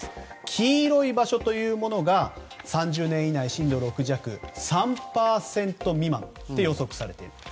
黄色い場所というものが３０年以内に震度６弱３％未満と予測されている。